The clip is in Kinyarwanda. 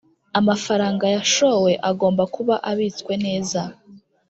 Amafaranga yashowe agomba kuba abitswe neza